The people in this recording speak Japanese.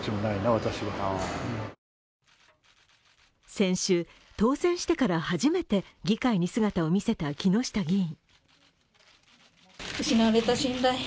先週、当選してから初めて議会に姿を見せた木下議員。